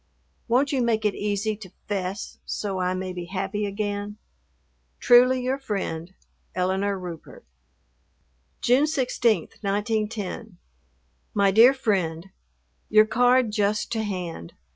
Won't you make it easy to "'fess" so I may be happy again? Truly your friend, ELINORE RUPERT. June 16, 1910. MY DEAR FRIEND, Your card just to hand.